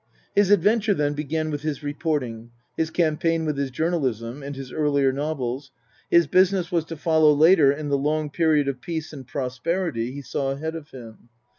His adventure, then, began with his reporting ; his campaign with his journalism, and his earlier novels ; his business was to follow later in the long period of peace and prosperity he saw ahead of him.